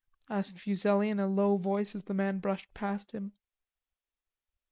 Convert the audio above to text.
asked Fuselli in a low voice as the man brushed past him.